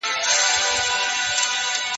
پرمختيايي هيوادونو لږه اندازه پيسې پس انداز کړې.